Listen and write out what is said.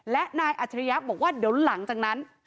และนายอัจฉริยะบอกว่าเดี๋ยวหลังจากนั้น